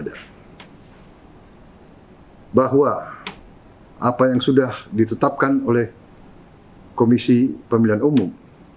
bahwa apa yang sudah ditetapkan oleh komisi pemilihan umum